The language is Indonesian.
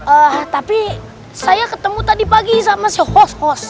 eh tapi saya ketemu tadi pagi sama si hos hos